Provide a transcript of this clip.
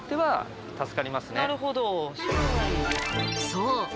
そう！